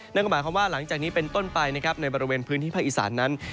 นั่นก็หมายความว่าหลังจากนี้เป็นต้นไปนะครับในบริเวณพื้นที่ภาคอีสานนั้น